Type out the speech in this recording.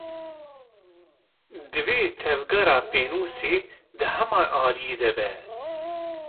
Divê tevgera pênûsê di heman aliyî de be.